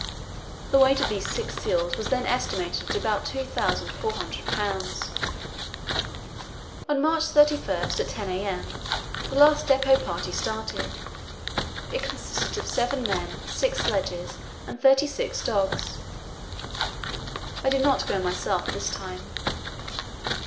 The weight of these six seals was then estimated at about 2,400 pounds. On March 31, at 10 a.m., the last depot party started. It consisted of seven men, six sledges, and thirty six dogs. I did not go myself this time.